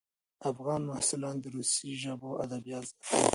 افغان محصلان د روسي ژبو ادبیات زده کوي.